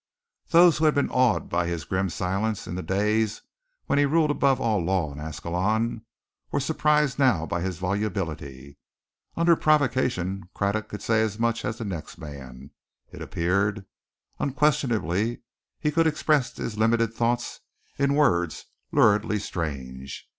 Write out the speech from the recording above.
Those who had been awed by his grim silence in the days when he ruled above all law in Ascalon, were surprised now by his volubility. Under provocation Craddock could say as much as the next man, it appeared. Unquestionably, he could express his limited thoughts in words luridly strange.